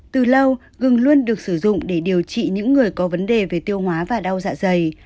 từ lâu gừng luôn được sử dụng để điều trị những người có vấn đề về tiêu hóa và đau dạ dày